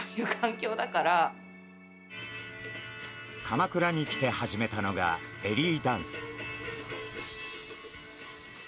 鎌倉に来て始めたのがベリーダンス。